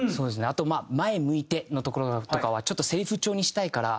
あと「前向いて」のところとかはちょっとせりふ調にしたいから。